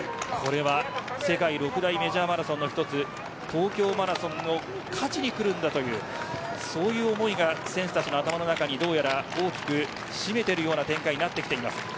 世界６大メジャーマラソンの１つ東京マラソンを勝ちにくるというそういう思いが選手の頭の中に大きく占めているような展開になってきます。